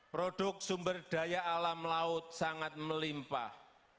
produk sumber daya alam laut sangat melimpah